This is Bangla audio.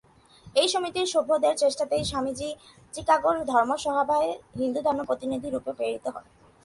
এই সমিতির সভ্যদের চেষ্টাতেই স্বামীজী চিকাগোর ধর্মমহাসভায় হিন্দুধর্মের প্রতিনিধিরূপে প্রেরিত হন।